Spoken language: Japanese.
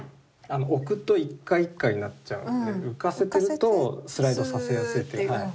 置くと一回一回になっちゃうので浮かせるとスライドさせやすい。